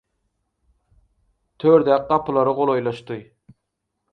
Tördäki gapylara golaýlaşdy.